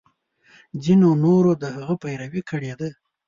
ځینو نورو د هغه پیروي کړې ده.